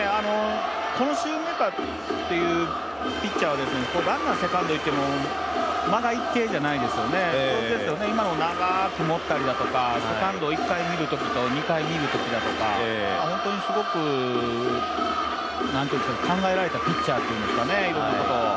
このシューメーカーっていうピッチャーはランナー、セカンドにいても今の、長く持ったりとかセカンドを１回見るときとか２回見るときとか、本当にすごく考えられたピッチャーっていうんですかね、いろんなことを。